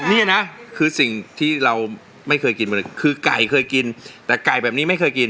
นี่นะคือสิ่งที่เราไม่เคยกินมาเลยคือไก่เคยกินแต่ไก่แบบนี้ไม่เคยกิน